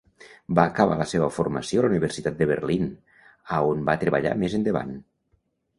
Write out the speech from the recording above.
Va acabar la seva formació a la Universitat de Berlin, a on va treballar més endavant.